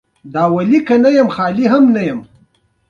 د هر ډول ناسم درک او سوء تفاهم له امله بښنه غواړم.